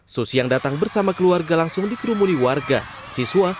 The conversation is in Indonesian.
susi yang datang bersama keluarga langsung dikerumuni warga siswa